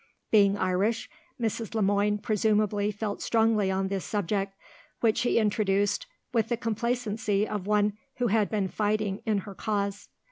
Being Irish, Mrs. Le Moine presumably felt strongly on this subject, which he introduced with the complacency of one who had been fighting in her cause.